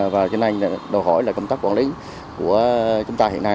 và cho nên đòi hỏi là công tác quản lý của chúng ta hiện nay